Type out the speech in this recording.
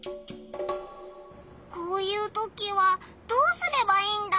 こういうときはどうすればいいんだ？